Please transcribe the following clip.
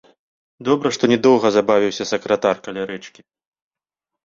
Добра што не доўга забавіўся сакратар каля рэчкі.